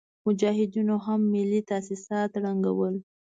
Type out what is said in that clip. مجاهدينو هم ملي تاسيسات ړنګول.